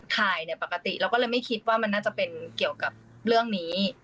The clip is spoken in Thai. ถ่ายเนี่ยปกติเราก็เลยไม่คิดว่ามันน่าจะเป็นเกี่ยวกับเรื่องนี้